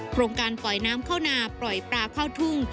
โครงการปล่อยน้ำเข้านาปล่อยปลาเข้าทุ่ง